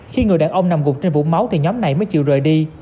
khi người đàn ông nằm gục trên vũng máu thì nhóm này mới chịu rời đi